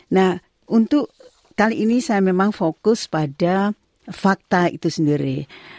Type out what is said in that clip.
nah untuk kali ini saya memang fokus pada fakta itu sendiri